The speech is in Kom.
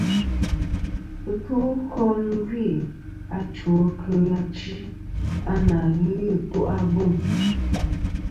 Ɨtu'kom gvi achwo kɨ achi a ǹà ghɨ ɨtu' ɨtu'abûm.